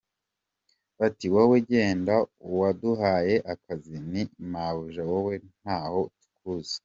, bati wowe genda uwaduhaye akazi ni mabuja wowe ntaho tukuzi.